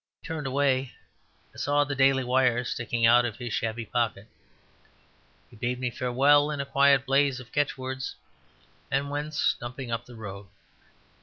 As he turned away, I saw the Daily Wire sticking out of his shabby pocket. He bade me farewell in quite a blaze of catchwords, and went stumping up the road.